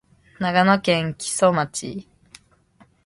長野県木曽町